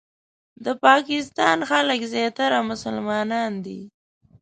د پاکستان خلک زیاتره مسلمانان دي.